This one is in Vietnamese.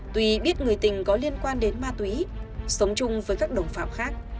tùy biết người tình có liên quan đến ma túy sống chung với các đồng phạm khác